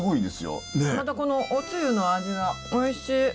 またこのおつゆの味がおいしい。